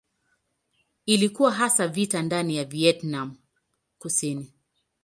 Ilikuwa hasa vita ndani ya Vietnam Kusini.